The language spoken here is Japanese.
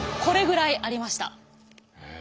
これぐらいありました。